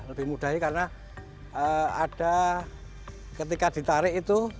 lebih mudah karena ada ketika ditarik itu